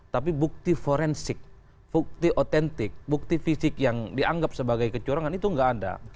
tapi bukti forensik bukti otentik bukti fisik yang dianggap sebagai kecurangan itu nggak ada